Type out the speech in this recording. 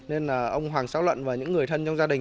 nên là ông hoàng sáu luận và những người thân trong gia đình